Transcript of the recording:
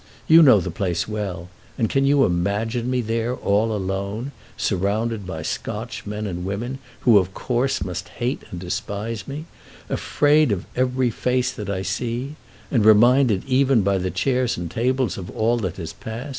You know the place well, and can you imagine me there all alone, surrounded by Scotch men and women, who, of course, must hate and despise me, afraid of every face that I see, and reminded even by the chairs and tables of all that is past?